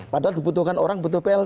padahal dibutuhkan orang butuh plt